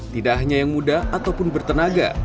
tidak hanya yang muda ataupun bertenaga